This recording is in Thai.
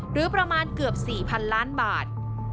หรือประมาณเกือบ๔๐๐๐ล้านบาท